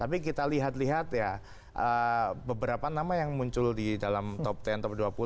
tapi kita lihat lihat ya beberapa nama yang muncul di dalam top sepuluh top dua puluh